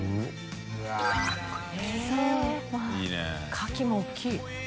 カキも大きい。